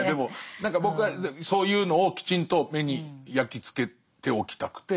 何か僕はそういうのをきちんと目に焼き付けておきたくて。